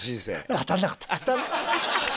当たんなかった？